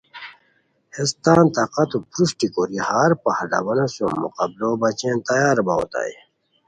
ہیس تان طاقتو پروشٹی کوری ہر پہلوانو سوم مقابلو بچین تیار باؤ اوتائے